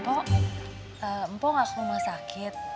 mpo mpo gak ke rumah sakit